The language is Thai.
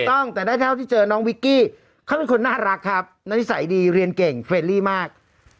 ถูกต้องแต่ได้เท่าที่เจอน้องวิกกี้เขาเป็นคนน่ารักครับนิสัยดีเรียนเก่งเรลลี่มาก